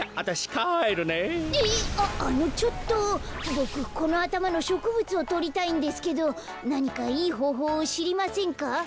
ボクこのあたまのしょくぶつをとりたいんですけどなにかいいほうほうをしりませんか？